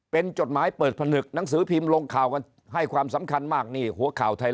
เป็นจดหมายเปิดพนึกหนังสือพิมพ์ลงข่าว